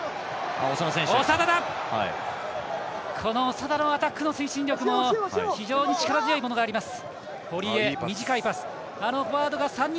長田のアタックの推進力も非常に力強いものがあります。